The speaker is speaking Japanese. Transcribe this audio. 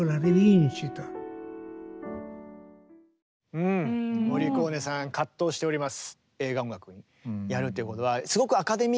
うんモリコーネさん葛藤しております。